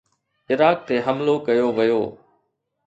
Iraq تي حملو ڪيو ويو.